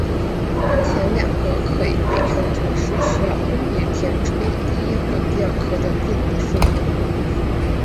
前两个可以被看作是需要分别填充的第一和第二壳的电子数目。